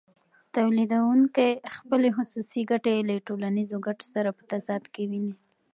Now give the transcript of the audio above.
تولیدونکی خپلې خصوصي ګټې له ټولنیزو ګټو سره په تضاد کې ویني